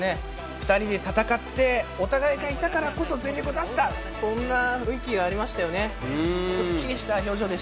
２人で戦って、お互いがいたからこそ、全力を出せた、そんな雰囲気がありましたよね。